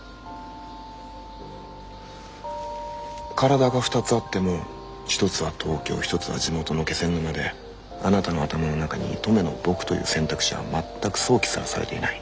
体が２つあっても１つは東京１つは地元の気仙沼であなたの頭の中に登米の僕という選択肢は全く想起すらされていない。